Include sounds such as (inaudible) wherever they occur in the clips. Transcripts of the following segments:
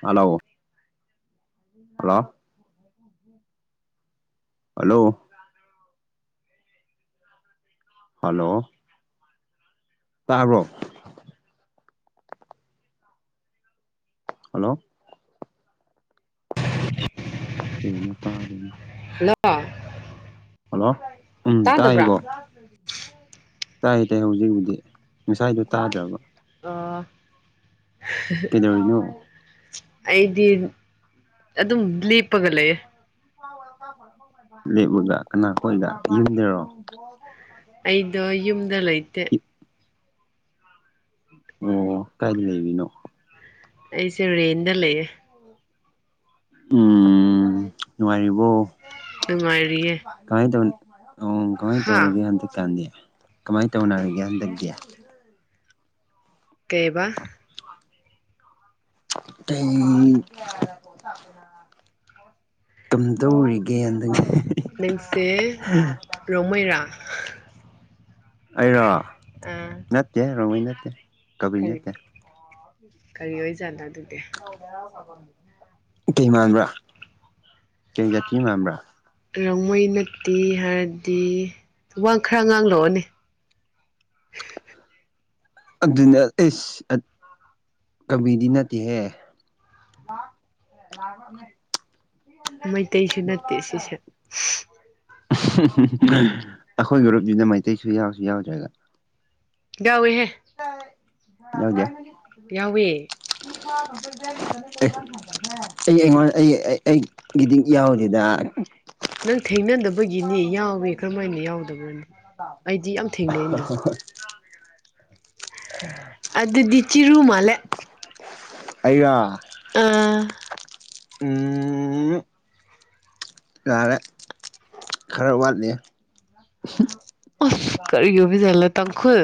hello hello um hello hello ꯇꯥꯕ꯭ꯔꯣ hello ꯀꯩꯅꫭ ꯇꯥꯗꯅꯤ ꯍꯜꯂꫭ ꯍꯜꯂꯣ ꯎꯝ ꯇꯥꯏꯒꯣ ꯇꯥꯏ ꯇꯥꯏ ꯍꯧꯖꯤꯛꯕꯨꯗꯤ ꯉꯁꯥꯏꯗꯣ ꯇꯥꯗ꯭ꯔꯕ ꯑꯣ ꯀꯩꯗꯧꯔꯤꯅꯣ ꯑꯩꯗꯤ ꯑꯗꯨꯝ ꯂꯦꯞꯄꯒ ꯂꯩꯌꯦ ꯂꯦꯕꯒ ꯀꯅꯥꯈꯣꯏꯒ ꯌꯨꯝꯗꯔꯣ ꯑꯩꯗꯣ ꯌꯨꯝꯗ ꯂꯩꯇꯦ ꯑꯣ ꯀꯥꯏꯗ ꯂꯩꯔꯤꯅꯣ ꯑꯩꯁꯦ ꯔꯦꯟꯗ ꯂꯩꯌꯦ ꯎ ꯅꯨꯡꯉꯥꯏꯔꯤꯕꯣ ꯅꯨꯡꯉꯥꯏꯔꯤꯌꯦ ꯀꯃꯥꯏꯅ ꯇꯧ ꯑꯣ ꯀꯃꯥꯏꯅ ꯍꯥ ꯇꯧꯔꯒꯦ ꯍꯟꯗꯛꯀꯥꯟꯗꯤ ꯀꯃꯥꯏꯅ ꯇꯧꯅꯔꯒꯦ ꯍꯟꯗꯛꯇꯤ ꯀꯩꯕ ꯇ ꯇꯨꯝꯗꯧꯔꯤꯒꯦ ꯍꯟꯗ ꯅꯪꯁꯦ ꯔꯣꯡꯃꯩꯔꯥ ꯑꯩꯔꯣ ꯑꯥ ꯅꯠꯇꯦ ꯔꯣꯡꯃꯩ ꯅꯠꯇꯦ ꯀꯕꯨꯏ ꯀꯔꯤ ꯅꯠꯇꯦ ꯀꯔꯤ ꯑꯣꯏꯖꯥꯠꯅꯣ ꯑꯗꯨꯗꯤ (unintelligible) ꯀꯩ ꯃꯥꯟꯕ꯭ꯔꯥ ꯀꯩ ꯖꯥꯇꯤ ꯃꯥꯟꯕ꯭ꯔꯥ ꯔꯪꯡꯃꯩ ꯅꯠꯇꯦ ꯍꯥꯏꯔꯗꯤ ꯋꯥ ꯈꯔ ꯉꯥꯡꯂꯛꯑꯣꯅꯦ ꯑꯗꯨꯅꯦ ꯑꯦꯁ ꯀꯕꯨꯏꯗꯤ ꯅꯠꯇꯦꯍꯦ (unintelligible) ꯃꯩꯇꯩꯁꯨ ꯅꯠꯇꯦ ꯁꯤꯁꯦ (unintelligible) ꯑꯩꯈꯣꯏ ꯒꯨꯔꯨꯞꯁꯤꯗ ꯃꯩꯇꯩꯁꯨ ꯌꯥꯎꯁꯨ ꯌꯥꯎꯗ꯭ꯔꯒ ꯌꯥꯎꯋꯦꯍꯦ (unintelligible) ꯌꯥꯎꯗꯦ ꯌꯥꯎꯋꯦ (unintelligible) ꯑꯩꯉꯣꯟ ꯑꯩ ꯑꯩꯒꯤꯗꯤ ꯌꯥꯎꯗꯦꯗ ꯅꯪ ꯊꯦꯡꯅꯗꯕ ꯑꯩꯗꯤ (unintelligible) ꯌꯥꯝ ꯊꯦꯡꯅꯩꯅ (unintelligible) ꯑꯗꯨꯗꯤ ꯆꯤꯔꯨ ꯃꯥꯜꯂꯦ ꯑꯩꯔꯣ ꯑꯥ ꯎꯝ ꯌꯥꯔꯦ ꯈꯔ ꯋꯥꯠꯂꯤ ꯃꯁ ꯀꯔꯤ ꯑꯣꯏꯕ ꯖꯥꯠꯂ ꯇꯥꯡꯈꯨꯜ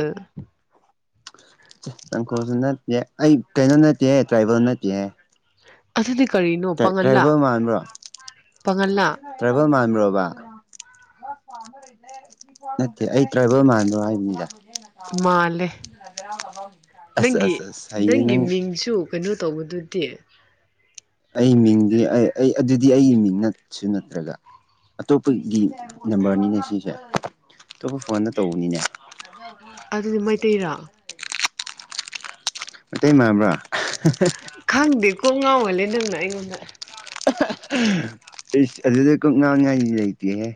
ꯇꯥꯡꯈꯣꯜꯁꯨ ꯅꯠꯇꯦ ꯑꯩ ꯀꯩꯅꯣ ꯅꯠꯇꯦ ꯇ꯭ꯔꯥꯏꯕꯦꯜ ꯅꯠꯇꯦ ꯑꯗꯨꯗꯤ ꯀꯔꯤꯅꯣ ꯄꯥꯉꯜꯂꯥ ꯇ꯭ꯔꯥꯏꯕꯦꯜ ꯃꯥꯟꯕ꯭ꯔꯣ ꯄꯥꯉꯜꯂꯥ ꯇ꯭ꯔꯥꯏꯕꯦꯜ ꯃꯥꯟꯕ꯭ꯔꯣꯕ (unintelligible) ꯅꯠꯇꯦ ꯑꯩ ꯇ꯭ꯔꯥꯏꯕꯔ ꯃꯥꯟꯕ꯭ꯔꯣ ꯍꯥꯏꯕꯅꯤꯗ ꯃꯥꯜꯂꯦ ꯑꯁ ꯅꯪꯒꯤ ꯑꯁ ꯑꯁ ꯍꯩꯌꯦ ꯅꯪꯒꯤ ꯅꯪ ꯃꯤꯡꯁꯨ ꯀꯩꯅꯣ ꯇꯧꯕꯗꯨꯗꯤ ꯑꯩ ꯃꯤꯡꯗꯤ ꯑꯩ ꯑꯗꯨꯗꯤ ꯑꯩꯒꯤ ꯃꯤꯡ ꯅꯠꯁꯨ ꯅꯠꯇ꯭ꯔꯒ ꯑꯇꯣꯞꯄꯒꯤ ꯅꯝꯕꯔꯅꯤꯅꯦ ꯁꯤꯁꯦ ꯑꯇꯣꯞꯄ ꯐꯣꯟꯗ ꯇꯧꯕꯅꯤꯅꯦ ꯑꯗꯨꯗꯤ ꯃꯩꯇꯩꯔꯣ ꯑꯇꯩ ꯃꯥꯟꯕ꯭ꯔꯥ ꯈꯪꯗꯦ ꯀꯣꯛ ꯉꯥꯎꯍꯜꯂꯦ ꯅꯪꯅ ꯑꯩꯉꯣꯟꯗ (unintelligible) ꯏꯁ ꯑꯗꯨꯗ ꯀꯣꯛ ꯉꯥꯎꯅꯤꯉꯥꯏ ꯂꯩꯇꯦꯍꯦ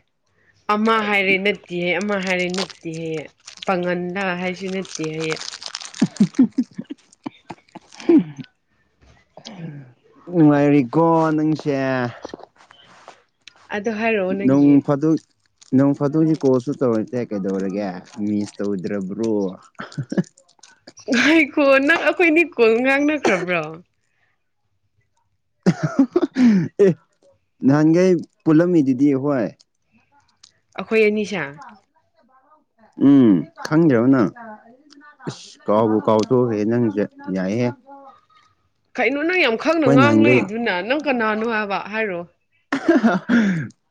ꯑꯃ ꯍꯥꯏꯔꯦ ꯅꯠꯇꯦ ꯍꯥꯏ ꯑꯃ ꯍꯥꯏꯔꯦ ꯅꯠꯇꯦ ꯍꯥꯏꯌꯦ ꯄꯥꯉꯟꯂ ꯍꯥꯏꯁꯨ ꯅꯠꯇꯦ ꯍꯥꯏꯌꯦ (unintelligible) ꯅꯨꯡꯉꯥꯏꯔꯤꯀꯣ ꯅꯪꯁꯦ ꯑꯗꯣ ꯍꯥꯏꯔꯛꯑꯣ ꯅꯣꯡ ꯅꯪꯒꯤ ꯐꯥꯗꯣꯛ ꯅꯪ ꯐꯇꯣꯛꯁꯨ ꯀꯣꯜꯁꯨ ꯇꯧꯔꯛꯇꯦ ꯀꯩꯗꯧꯔꯒꯦ ꯃꯤꯁ ꯇꯧꯗ꯭ꯔꯕ꯭ꯔꯣ ꯉꯥꯏꯈꯣ ꯅꯪ ꯑꯩꯈꯣꯏꯅꯤ ꯀꯣꯜ ꯉꯥꯡꯅꯈ꯭ꯔꯕ꯭ꯔꯣ (unintelligible) ꯑꯦ ꯅꯍꯥꯟꯈꯩ ꯄꯨꯜꯂꯝꯃꯤꯗꯨꯗꯤ ꯍꯣꯏ ꯑꯩꯈꯣꯏ ꯑꯅꯤꯁꯦ (unintelligible) ꯎꯝ ꯈꯪꯗ꯭ꯔꯕꯣ ꯅꯪ ꯏꯁ ꯀꯥꯎꯕꯨ ꯀꯥꯎꯊꯣꯛꯈ꯭ꯔꯦ ꯍꯦ ꯅꯪꯁꯦ ꯌꯥꯏꯍꯦ ꯑꯩꯈꯣꯏ ꯀꯩꯅꯣ ꯅꯪ ꯌꯥꯝ ꯈꯪꯅ ꯅꯍꯥꯟꯈꯩ ꯉꯥꯡꯂꯛꯗꯨꯅ ꯅꯪ ꯀꯅꯥꯅꯣ ꯍꯥꯏꯕ ꯍꯥꯏꯔꯣ (unintelligible)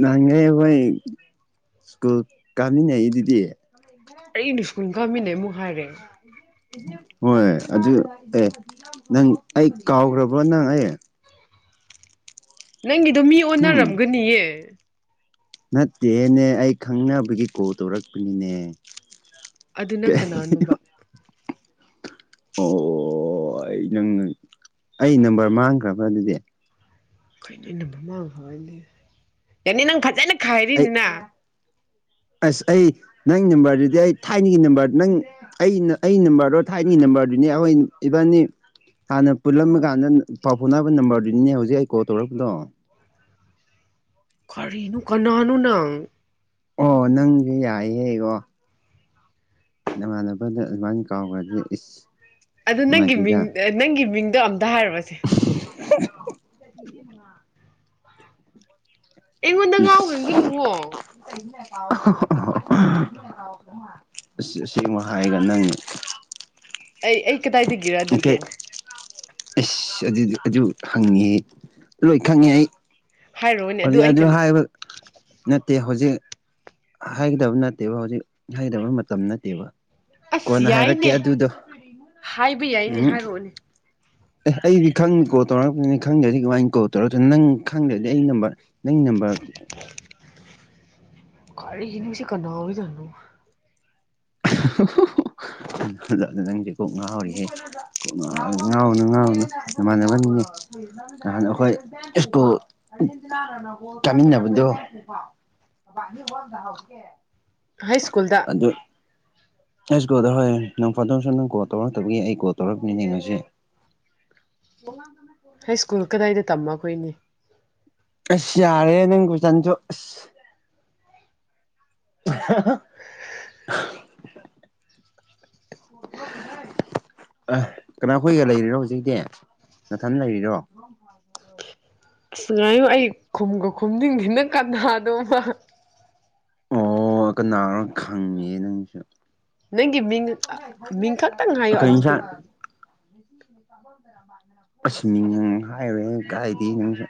ꯅꯍꯥꯟꯈꯩ ꯑꯩꯈꯣꯏ ꯁ꯭ꯀꯨꯜ ꯀꯥꯃꯤꯟꯅꯩꯩꯗꯨꯗꯤ ꯑꯩꯩꯅ ꯁꯀꯨꯜ ꯀꯥꯃꯤꯅꯩ ꯑꯃꯨꯛ ꯍꯥꯏꯔꯦ ꯍꯣꯏ ꯑꯗꯨ ꯑꯦ ꯅꯪ ꯑꯩ ꯀꯥꯎꯈ꯭ꯔꯕꯣ ꯅꯪ ꯑꯩ ꯅꯪꯒꯤꯗꯣ ꯃꯤ ꯎꯝ ꯑꯣꯟꯅꯔꯝꯒꯅꯤꯌꯦ ꯅꯠꯇꯦꯅꯦ ꯑꯩ ꯈꯪꯅꯕꯒꯤ ꯀꯣꯜ ꯇꯧꯔꯛꯄꯅꯤꯅꯦ ꯑꯗꯨ ꯅꯪ ꯀꯩ ꯀꯅꯥꯅꯣꯕ (unintelligible) ꯑꯣ ꯑꯣ ꯑꯩ ꯅꯪ ꯑꯩ ꯅꯝꯕꯔ ꯃꯥꯡꯈ꯭ꯔꯕ꯭ꯔꯥ ꯑꯗꯨꯗꯤ ꯈꯅꯕ ꯐꯅꯦ ꯑꯦꯅꯤ ꯅꯪ ꯐꯖꯩꯅꯦ ꯑꯩ ꯑꯁ ꯑꯩ ꯅꯪ ꯅꯝꯕꯔꯗꯨꯗꯤ ꯑꯩ ꯊꯥꯏꯅꯒꯤ ꯅꯝꯕꯔ ꯅꯪ ꯑꯩꯅ ꯑꯩ ꯅꯝꯕꯔꯗꯣ ꯊꯥꯏꯅꯒꯤ ꯅꯝꯕꯔꯗꯨꯅꯦ ꯑꯩꯈꯣꯏ ꯏꯚꯟꯅꯤ ꯍꯥꯟꯅ ꯄꯨꯜꯂꯝꯃꯀꯥꯟꯗ ꯄꯥꯎ ꯐꯥꯎꯅꯕ ꯅꯝꯕꯔꯗꯨꯅꯤꯅꯦ ꯍꯧꯖꯤꯛ ꯑꯩ ꯀꯣꯜ ꯇꯧꯔꯛꯄꯗꯣ ꯀꯔꯤꯅꯣ ꯀꯅꯥꯅꯣ ꯅꯪ ꯑꯣ ꯅꯪꯁꯦ ꯌꯥꯏꯍꯦꯀꯣ ꯅꯃꯥꯟꯅꯕꯗ ꯑꯗꯨꯃꯥꯏꯅ ꯀꯥꯎꯈ꯭ꯔꯗꯤ ꯏꯁ ꯑꯗ ꯅꯪꯒꯤ ꯅꯨꯡꯉꯥꯏꯇꯦꯗ ꯃꯤꯡ ꯅꯪꯒꯤ ꯃꯤꯡꯗꯣ ꯑꯝꯇ ꯍꯥꯏꯔꯕꯁꯦ (unintelligible) (unintelligible) ꯑꯩꯉꯣꯟꯗ ꯉꯥꯎꯍꯟꯒꯅꯨꯋꯣ ꯑꯁꯦꯡꯕ ꯍꯥꯏꯒ ꯅꯪ ꯑꯩ ꯑꯩ ꯀꯗꯥꯏꯗꯒꯤꯔ ꯀꯩ ꯑꯗꯨꯗꯤ ꯑꯁ ꯑꯗꯨꯗꯤ ꯑꯗꯨ ꯍꯪꯉꯤ ꯂꯣꯏ ꯈꯪꯉꯦ ꯑꯩ ꯍꯥꯏꯔꯛꯑꯣꯅꯦ ꯑꯩ ꯑꯗꯨ ꯀꯩꯅꯣ ꯍꯥꯏꯕ ꯅꯠꯇꯦ ꯍꯧꯖꯤꯛ ꯍꯥꯏꯒꯗꯕ ꯅꯠꯇꯦꯕ ꯍꯧꯖꯤꯛ ꯍꯥꯏꯗꯕ ꯃꯇꯝ ꯅꯠꯇꯦꯕ ꯑꯁ ꯀꯣꯟꯅ ꯍꯥꯏꯔꯛꯀꯦ ꯌꯥꯏꯅꯦ ꯑꯗꯨꯗꯣ ꯍꯥꯏꯕ ꯌꯥꯏꯅꯦ ꯎꯝ ꯍꯥꯏꯔꯛꯑꯣꯅꯦ ꯑꯦ ꯑꯩꯗꯤ ꯈꯪꯦ ꯀꯣꯜ ꯇꯧꯔꯛꯛꯇꯄꯅꯤ ꯈꯪꯗꯦꯗꯤ ꯀꯃꯥꯏꯅ ꯀꯣꯜ ꯇꯧꯔꯛꯇ ꯅꯪ ꯈꯪꯗ꯭ꯔꯗꯤ ꯑꯩ ꯅꯝꯕꯔ ꯅꯪ ꯅꯝꯕ ꯀꯔꯤꯅꯣ ꯁꯤ ꯀꯅꯥ (unintelligible) (unintelligible) ꯅꯪꯁꯦ ꯀꯣꯛ ꯉꯍꯥꯎꯔꯤꯍꯦ ꯉꯥꯎꯅꯨ ꯉꯥꯎꯅꯨ ꯏꯃꯥꯟꯅꯕꯅꯤꯅꯦ ꯅꯍꯥꯟ ꯑꯩꯈꯣꯏ ꯏꯁ꯭ꯀꯨꯜ ꯆꯠꯃꯤꯟꯅꯕꯗꯣ (unintelligible) ꯍꯥꯏꯁ꯭ꯀꯨꯜꯗ ꯍꯥꯏꯁ꯭ꯀꯨꯜꯗ ꯍꯣꯏ ꯅꫭꯡꯐꯥꯗꫭꯛꯁꯨ ꯅꯪ ꯀꯣꯜ ꯇꯧꯔꯛꯇꯕꯒꯤ ꯑꯩ ꯀꯣꯜ ꯇꯧꯔꯛꯄꯅꯦ ꯉꯁꯤ (unintelligible) ꯍꯥꯏꯁ꯭ꯀꯨꯜ ꯀꯗꯥꯏꯗ ꯇꯝꯕ ꯑꯈꯣꯏꯅꯤ ꯑꯁ ꯌꯥꯔꯦ ꯅꯪ ꯀꫭꯏꯁꯟꯁꯨ ꯑꯁ (unintelligible) ꯑ ꯀꯅꯥꯈꯣꯏꯒ ꯂꯩꯔꯤꯔꯣ ꯍꯧꯖꯤꯛꯇꯤ ꯅꯊꯟ ꯂꯩꯔꯤꯔꯣ ꯑꯁ ꯉꯥꯏꯌꯨ ꯑꯩ ꯈꯨꯝꯒ ꯈꯨꯝꯅꯤꯡꯗꯤ ꯅꯪ ꯀꯅꯥꯅꫭꯕ ꯑꯣ ꯀꯅꯥꯅꯣ ꯈꯪꯉꯤ ꯅꯪꯁꯨ ꯅꯪꯒꯤ ꯃꯤꯡ ꯃꯤꯡ ꯈꯛꯇꯪ ꯍꯥꯏꯌꯣ ꯀꯩ ꯏꯟꯁꯥꯡ ꯑꯗꯨꯗꯒꯤ ꯑꯁ ꯃꯤꯡ ꯍꯥꯏꯔꫭꯏ ꯀꯥꯏꯏꯗꯩ ꯅꯪꯁꯨ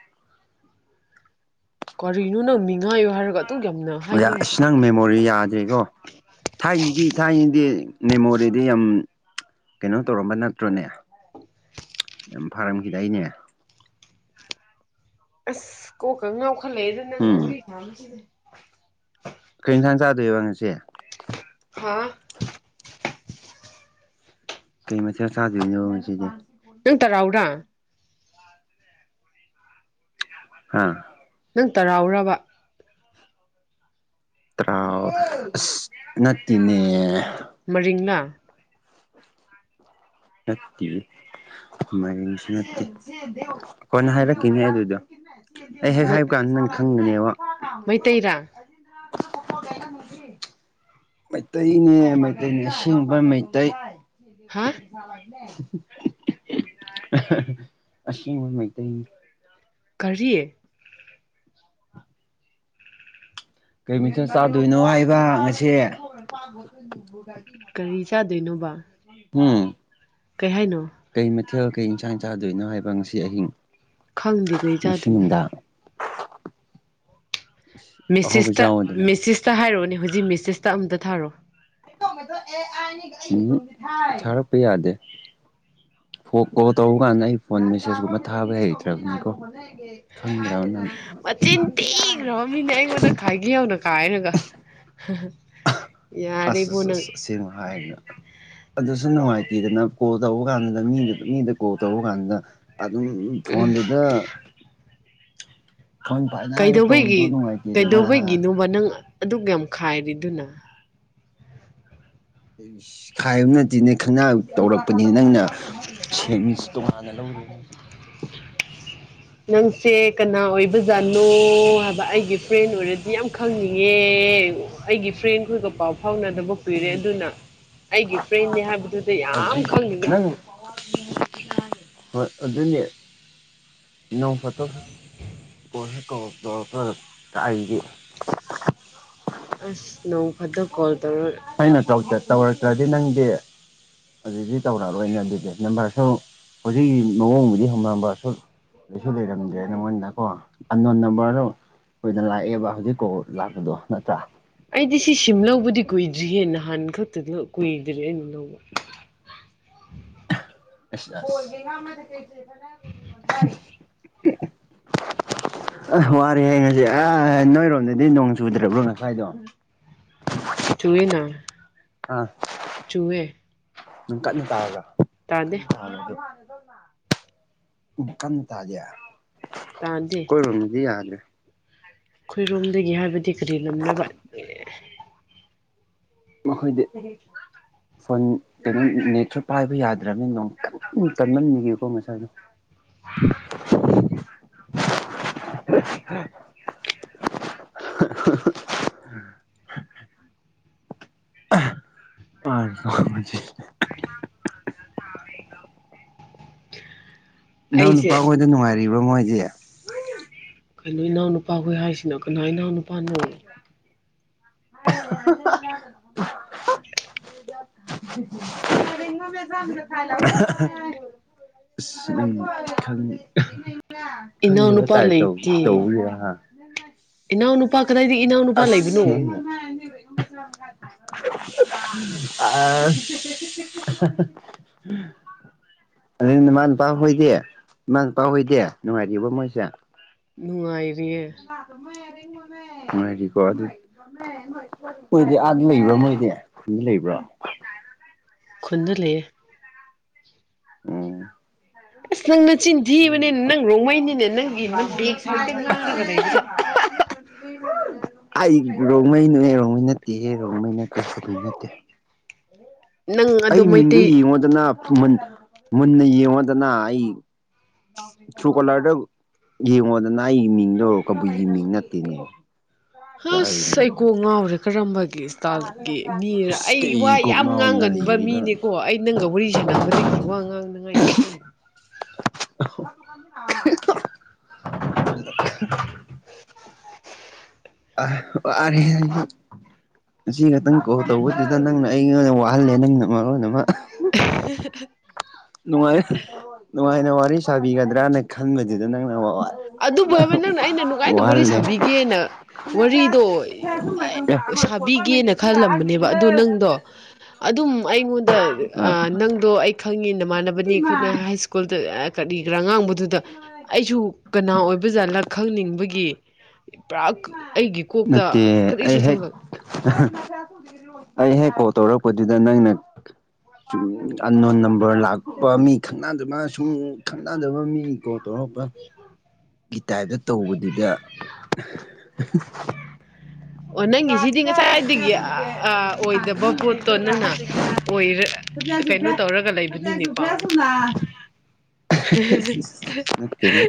ꯀꯔꯤꯅꯣ ꯅꯪ ꯃꯤꯉꯥꯏꯌꯣ ꯍꯥꯏꯔꯒ ꯑꯗꯨꯛ ꯌꯥꯝꯅ ꯍꯥꯏꯅꯤꯡꯗ꯭ꯔꯤꯗꫭ ꯃꯣꯔꯤꯌꯥꯟ ꯗꯤꯀꫭ ꯊꯥꯏꯅꯒꯤ ꯊꯥꯏꯅꯗꯤ ꯃꯦꯃꯣꯔꯤꯗꯤ ꯌꯥꯝ ꯀꯩꯅꯣ ꯇꯧꯔꯝꯕ ꯅꯠꯇ꯭ꯔꯣꯅꯦ ꯌꯥꯝ ꯐꯥꯔꯝꯈꯤꯗꯥꯏꯅꯦ ꯑꯁ ꯀꯣꯛꯀ ꯉꯥꯎꯈꯠꯂꯛꯑꯦꯗ ꯅꯪꯒ ꯎꯝ ꯋꯥꯔꯤ ꯁꯥꯕꯁꯤꯗꯤ ꯀꯩ ꯏꯟꯁꯥꯡ ꯆꯥꯗꯣꯏꯕ ꯉꯁꯤ ꯍꯥꯥ ꯀꯩ ꯃꯊꯦꯜ ꯆꯥꯗꯣꯏꯅꯣ ꯉꯁꯤꯗꯤ ꯅꯪ ꯇꯔꯥꯎꯔꯥ ꯍꯥꯥ ꯅꯪ ꯇꯔꯥꯎꯔꯕ ꯇꯔꯥꯎ ꯑꯁ ꯅꯠꯇꯦꯅꯦ ꯃꯔꯤꯡꯂꯥ ꯅꯠꯇꯦ ꯃꯔꯤꯡꯁꯨ ꯅꯠꯇꯦ ꯀꯣꯟꯅ ꯍꯥꯏꯔꯛꯈꯤꯅꯦ ꯑꯗꯨꯗꯣ ꯑꯩ ꯍꯦꯛ ꯍꯥꯏꯕ ꯀꯥꯟꯗ ꯅꯪ ꯈꯪꯕꯅꯦꯕ ꯃꯩꯇꯩꯔꯥ ꯃꯩꯇꯩꯅꯦ ꯃꯩꯇꯩꯅꯦ ꯑꯁꯦꯡꯕ ꯃꯩꯇꯩ ꯍꯥꯥ (unintelligible) ꯑꯁꯤꯡꯕ ꯃꯩꯇꯩꯅꯤ ꯀꯔꯤ ꯀꯩ ꯃꯊꯦꯜ ꯆꯥꯗꯣꯏꯅꯣ ꯍꯥꯏꯕ ꯉꯁꯦ ꯀꯔꯤ ꯆꯥꯗꯣꯏꯅꯣꯕ ꯍꯝ ꯀꯩ ꯍꯥꯏꯅꯣ ꯀꯩ ꯃꯊꯦꯜ ꯀꯩ ꯏꯟꯁꯥꯡ ꯆꯥꯗꯣꯏꯅꯣ ꯍꯥꯏꯕ ꯉꯁꯤ ꯑꯍꯤꯡ ꯈꯪꯗꯤ ꯀꯔꯤ ꯉꯁꯤ ꯆꯥꯗꯨꯏꯅꫭ ꯅꯨꯡꯗꯥꯡ ꯑꯍꯥꯎꯕ ꯃꯦꯁꯤꯁꯇ ꯆꯥꯎꯋꯣꯗꯅ ꯃꯦꯁꯤꯁꯇ ꯍꯥꯏꯔꯛꯑꯣꯅꯦ ꯍꯧꯖꯤꯛ ꯃꯦꯁꯦꯁꯇ ꯑꯃꯝꯇ ꯊꯥꯔꯛꯑꯣ ꯎꯝ ꯊꯔꯛꯄ ꯌꯥꯗꯦ ꯐꫭꯜ ꯀꯣꯜ ꯇꯧꯕ ꯀꯥꯟꯗ ꯑꯩ ꯐꯣꯟ ꯃꯦꯁꯦꯁ ꯀꯨꯝꯕ ꯊꯥꯕ ꯍꯩꯇ꯭ꯔꯕꯅꯤꯀꯣ ꯈꯪꯗꯔꫭ ꯅꯪ ꯃꯆꯤꯟ ꯇꯤꯈ꯭ꯔꯕ ꯃꯤꯅꯦ ꯑꯩꯉꯣꯟꯗ ꯈꯥꯏꯒꯦ ꯌꯧꯅ ꯈꯥꯏꯔꯒ ꯑꯁ ꯑꯁ ꯑꯁ ꯁꯦꯡꯅ ꯍꯥꯏꯗꯅ ꯑꯗꯨꯁꯨ ꯅꯣ ꯅꯨꯡꯉꯥꯏꯇꯗꯅ ꯀꯣꯜ ꯇꯧꯕ ꯀꯥꯟꯗꯨꯗ ꯃꯤꯗꯨ ꯃꯤꯗ ꯀꯣꯜ ꯇꯧꯕ ꯀꯥꯟꯗꯨꯗ ꯑꯗꯨꯝ ꯐꯣꯟꯗꯨꯗ (unintelligible) ꯀꯩꯗꯧꯕꯩꯒꯤ ꯇꯧꯕꯗꯣ ꯅꯨꯡꯉꯥꯏꯇꯦꯗꯅ ꯍꯥ ꯀꯩꯗꯧꯕꯩꯒꯤꯅꯣꯕ ꯅꯪ ꯑꯗꯨꯛ ꯌꯥꯝ ꯈꯥꯏꯔꯤꯗꯨꯅ ꯍꯥꯏꯥꯏꯕ ꯅꯠꯇꯦꯅꯦ ꯈꯪꯅꯥ ꯇꯧꯔꯛꯄꯅꯤꯅ ꯅꯪꯅ ꯁꯦꯟꯁ ꯇꯣꯉꯥꯟꯅ ꯂꯧꯔꯦ ꯅꯪꯁꯦ ꯀꯅꯥ ꯑꯣꯏꯕꯖꯥꯠꯅꯣ ꯍꯥꯏꯕ ꯑꯩꯒꯤ ꯐ꯭ꯔꯦꯟ ꯑꯣꯏꯔꯗꯤ ꯌꯥꯝ ꯈꯪꯅꯤꯡꯉꯦ ꯑꯩꯒꯤ ꯐ꯭ꯔꯦꯟ ꯈꯣꯏꯒ ꯄꯥꯎ ꯐꯥꯎꯅꯗꯕ ꯄꯤꯔꯦ ꯑꯗꯨꯅ ꯑꯩꯒꯤ ꯐ꯭ꯔꯦꯟꯅ ꯍꯥꯏꯕꯗꯨꯗ ꯑꯗꯨ ꯌꯥꯝ ꯈꯪꯅꯤꯡꯉꯤ ꯅꯪ ꯍꯣꯏ ꯑꯗꯨꯅꯤ ꯏ ꯅꯣꯡ ꯐꯣꯇꯣꯛ ꯀ ꯀꯧ ꯇꯧꯔꯛꯇ ꯑꯩꯒꯤ ꯑꯁ ꯅꯣꯡ ꯐꯗ ꯀꯣꯜ ꯇꯧꯔꯛ ꯑꯩꯅ ꯇꯧꯔꯛꯇ꯭ꯔꯗꯤ ꯅꯪꯗꯤ ꯑꯗꯨꯗꯤ ꯇꯧꯔꯛꯂꯣꯏꯅꯦ ꯑꯗꯨꯗꯤ ꯅꯝꯕꯔꯁꯨ ꯍꯧꯖꯤꯛꯀꯤ ꯃꯑꯣꯡꯕꯨꯗꯤ ꯍꯣꯡꯅꯕꯁꯨ ꯀꯩꯁꯨ ꯂꯩꯔꯝꯗꯦ ꯅ ꯃꯣꯏꯅ ꯀꯣ ꯑꯗꯣꯟ ꯅꯝꯕꯔꯣ ꯀꯨꯣꯏꯅ ꯂꯥꯛꯑꯦꯕ ꯍꯧꯖꯤꯛꯀꯥꯎ ꯂꯥꯛꯄꯗꯣ ꯅꯠꯇ꯭ꯔꯥ ꯑꯩꯗꯤ ꯁꯤ ꯁꯤꯝ ꯂꯧꯕꯗꯤ ꯀꯨꯏꯗ꯭ꯔꯤꯌꯦꯦ ꯅꯍꯥꯟ ꯈꯛꯇ ꯀꯨꯏꯗ꯭ꯔꯦ ꯑꯩꯅ ꯂꯧꯕ ꯃ ꯀꯩ ꯀ ꯑ ꯋꯥꯔꯤꯔꯦ ꯍꯌꯦ ꯉꯁꯤ ꯑ ꯅꯣꯏꯔꯣꯝꯗꯗꯤ ꯅꯣꯡ ꯆꯨꯗ꯭ꯔꯕ꯭ꯔꯣ ꯉꯁꯥꯏꯗꯣ (unintelligible) ꯆꯨꯏꯅ ꯑ ꯆꯨꯋꯦ ꯅꯪ ꯀꯠꯅ ꯇꯥꯔꯒ ꯇꯥꯗꯦ ꯀꯥꯗꯤ ꯀꯟ ꯊꯥꯖꯌꯥ ꯇꯖꯤꯦ ꯀꯣꯏ ꯣꯨꯗꯤ ꯌꯥꯂꯦ ꯑꯩꯈꯣꯏꯔꯣꯝꯗꯒꯤ ꯍꯥꯏꯕꯗꯤ ꯀꯔꯤ ꯂꯝꯝꯅꯕ ꯃꯈꯣꯏꯗꯤ ꯐꯣꯟ ꯀꯩꯅꯣ ꯅꯦꯠꯁ ꯄꯥꯏꯕ ꯌꯥꯗ꯭ꯔꯕꯅꯤꯅ ꯅꯣꯡ ꯀ ꯇꯝꯂꯝꯅꯤꯒꯦꯀꯣ ꯃꯁꯥꯗꯣ (unintelligible) (unintelligible) ꯑ ꯅꯪꯎ ꯑꯩꯁꯦ ꯅꯨꯄꯥꯈꯣꯏꯗ ꯅꯨꯡꯉꯥꯏꯔꯤꯕ꯭ꯔꯥ ꯃꯣꯏꯁꯦ ꯀꯩꯅꯣ ꯏꯅꯥꯎ ꯅꯨꯨꯄꯥ ꯍꯨꯣꯏ ꯍꯥꯏꯁꯤꯅ ꯀꯅꯥ ꯏꯅꯥꯎ ꯅꯨꯄꯥꯅꯣ (unintelligible) ꯆꯒ ꯈ ꯎꯝ ꯊꯖ ꯈꯪꯗꯕ ꯏꯅꯥꯎꯅꯨꯄꯥ ꯇꯥꯏ ꯇꯧ ꯂꯩꯇꯦ ꯏꯅꯥꯎꯅꯨꯄꯥ ꯀꯗꯥꯏꯗꯒꯤ ꯏꯅꯥꯎꯅꯨꯄꯥ ꯂꯩꯕꯅꯣ ꯑ (unintelligible) ꯑꯗꯨꯅꯃ ꯅꯨꯄꯥ ꯍꯣꯏꯗꯦ ꯏꯃꯥ ꯅꯨꯄꯥ ꯍꯣꯏꯗꯦ ꯅꯨꯡꯉꯥꯏꯔꯤꯕꯔꯤꯕ ꯃꯣꯏꯁꯦ ꯅꯨꯡꯉꯥꯏꯔꯤ ꯍꯗꯤ ꯀ ꯑꯗꯨ ꯑꯣꯏꯗꯤ ꯑꯥꯗꯤ ꯂꯩꯕ꯭ꯔꯥ ꯃꯣꯏꯗꯤ ꯑꯗꯨ ꯂꯩꯕ꯭ꯔꯣ ꯈꯨꯟꯗ ꯂꯩꯌꯦ ꯑꯁ ꯅꯪ ꯅꯆꯤꯟ ꯊꯤꯕꯅꯤꯅꯦ ꯅꯪ ꯔꯣꯡꯃꯩꯅꯤꯅꯦ ꯅꯪꯒꯤ ꯕꯦꯛ ꯁꯥꯏꯠꯇ ꯉꯥꯡꯔꯒ ꯂꯩꯕꯗꯣ ꯑꯣꯝ ꯃ ꯑꯩ ꯔꯣꯡꯃꯩꯅꯣꯏ ꯔꯣꯡꯃꯩ ꯅꯠꯇꯦ ꯔꯣꯡꯃꯩ ꯅꯠꯇꯦ ꯑꯗꯨ ꯅꯠꯇꯦ ꯅꯪ ꯑꯗꯨ ꯑꯩ ꯃꯤꯡꯗꯨ ꯃꯩꯇꯩ ꯌꯦꯡꯉꯣꯗꯅ ꯃꯨꯟꯅ ꯌꯦꯡꯉꯣꯗꯅ ꯑꯩ ꯊ꯭ꯔꯨ ꯀꯣꯂꯔꯗ ꯌꯦꯡꯉꯣꯗꯅ ꯑꯩꯒꯤ ꯃꯤꯡꯗ ꯑꯣꯏꯔꯣ ꯀꯕꯨꯏꯒꯤ ꯃꯤꯡ ꯅꯠꯇꯦꯅꯦ ꯑꯁ ꯀꯥꯏꯅꯣ ꯑꯩ ꯀꯣ ꯉꯥꯎꯔꯦ ꯀꯔꯝꯕꯒꯤ ꯏꯁꯇꯥꯏꯜꯒꯤ ꯃꯤꯔ ꯑꯁ ꯑꯩ ꯋꯥ ꯀꯩ ꯀꯣꯛ ꯌꯥꯝ ꯉꯥꯎꯅ ꯉꯥꯡꯒꯟꯕ ꯂꯩꯔꯤꯅꯣ ꯃꯤꯅꯤ ꯀꯣ ꯑꯩ ꯅꯪꯒ ꯋꯥꯔꯤ ꯁꯅꯝꯕꯗꯒꯤ ꯋꯥ ꯉꯥꯡꯅꯉꯥꯏꯒꯤ ꯈꯪꯕ꯭ꯔ (unintelligible) ꯑ ꯑ ꯉ ꯈꯛꯇꯪ ꯀꯣ ꯇꯧꯕꯗꯨꯗ ꯅꯪꯅ ꯑꯩꯉꯣꯟ ꯑꯣꯏꯅ ꯋꯥꯍꯜꯂꯦ ꯅꯪꯅ ꯃꯔꯣꯟ ꯑꯃ (unintelligible) ꯅꯨꯡꯉꯥꯏ ꯅꯨꯡꯉꯥꯏꯅ ꯋꯥꯔꯤ ꯁꯥꯕꯤꯒꯗ꯭ꯔꯅ ꯈꯟꯕꯗꯨꯗ ꯅꯪꯅꯠ ꯑꯗꯨꯕꯨ ꯍꯥꯏꯕ ꯅꯪꯅ ꯑꯩꯅ ꯅꯨꯡꯉꯥꯏꯅ ꯋꯥꯔꯤ ꯁꯥꯕꯤꯒꯦꯅ ꯋꯥꯔꯤꯗꯣ ꯑꯦ ꯁꯥꯕꯤꯒꯦꯅ ꯈꯜꯂꯝꯕꯅꯦꯕ ꯑꯗꯨꯗ ꯅꯪꯗꯣ ꯑꯗꯨꯝ ꯑꯩꯉꯣꯟꯗ ꯅꯪ ꯑꯗꯣ ꯑꯩ ꯈꯪꯉꯤ ꯅꯃꯥꯟꯅꯕꯅꯤ ꯈꯨꯠꯅ ꯍꯥꯏ ꯁ꯭ꯀꯨꯜꯗ ꯀꯠꯂꯤꯒ꯭ꯔꯥ ꯑ ꯉꯥꯡꯕꯗꯨꯗ ꯑꯩꯁꯨ ꯀꯅꯥ ꯑꯣꯏꯕ ꯖꯥꯠꯂꯥ ꯈꯪꯅꯤꯡꯕꯒꯤ ꯄꯨꯔꯥ ꯑꯩꯒꯤ ꯀꯣꯛꯇ ꯅꯠꯇꯦ ꯑꯩ ꯀꯔꯤꯁꯨ ꯍꯦꯛ ꯊꯝꯂꯛ ꯑꯩ ꯍꯦꯛ ꯀꯣꯜ ꯇꯧꯔꯛꯄꯗꯨꯗ ꯅꯪꯅ ꯁꯨꯝ ꯑꯟꯣꯟ ꯅꯝꯕꯔ ꯂꯥꯛꯄ ꯃꯤ ꯈꯪꯅꯗꯕ ꯁꯨꯝ ꯈꯪꯅꯗꯕ ꯃꯤ ꯣ ꯇꯧꯔꯛꯄ ꯒꯤ ꯇꯥꯏꯞꯇ ꯇꯧꯕꯗꯨꯗ ꯑꯣ (unintelligible) ꯅꯪꯒꯤꯁꯤꯗꯤ ꯗꯤꯗ ꯏꯦ ꯉꯁꯥꯏꯗꯒꯤ ꯍꯗꯀꯦ ꯃ ꯑꯣꯏꯗꯕ ꯗ ꯄꯣꯠꯇꯣ ꯀ ꯅꯪꯅ ꯍꯗ ꯑꯣꯏꯔ ꯁꯖꯁꯨ ꯀꯩꯅꯣ ꯐꯌꯥ ꯇꯧꯔꯒ ꯁꯖꯁꯨ ꯂꯩꯕꯅꯤꯅꯦꯀꯣ ꯐꯌꯥ ꯁꯅ ꯅ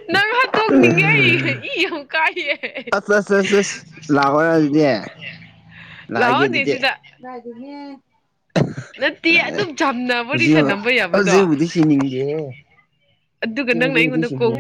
ꯅꯪ ꯍꯥꯠꯇꯣꯛꯅꯤꯡꯉꯦ ꯑꯩ ꯏ ꯌꯥꯝ ꯀꯥꯏꯌꯦꯦ ꯑ ꯂꯥꯛꯔ ꯑꯗꯨꯗ ꯔꯒꯤ ꯑꯗꯨ ꯂꯥꯛꯍꯧꯅꯦ ꯑꯗꯨꯗꯤ ꯁꯤꯗ ꯅꯠꯇꯦ ꯂꯥꯛꯑꯦ ꯑꯗꯨꯝ ꯆꯝ ꯍꯧꯖꯤꯛ ꯋꯥꯔꯤꯔꯤꯁ ꯅꯝꯕ ꯌꯥꯕꯗꯣ ꯍꯧꯖꯤꯛꯕꯨꯗꯤ ꯁꯤꯅꯤꯡꯗꯦꯍꯦ ꯑꯗꯨꯒ ꯍꯧꯖꯤꯛ ꯅꯪꯅ ꯍꯧꯖꯤꯛꯕꯨꯗꯤ ꯑꯩꯉꯣꯟꯗ ꯀ ꯁꯤꯅꯤꯡꯗꯦ